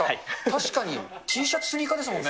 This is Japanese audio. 確かに、Ｔシャツ、スニーカーですもんね。